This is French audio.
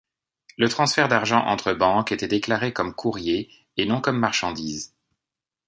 Les transferts d'argent entre banques étaient déclarés comme courrier et non comme marchandise.